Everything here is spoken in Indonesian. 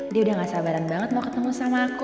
dia udah gak sabaran banget mau ketemu sama aku